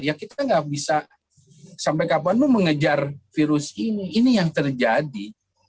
ya kita nggak bisa sampai kapan lu mengejar virus ini ini yang terjadi